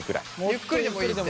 ゆっくりでもいいって。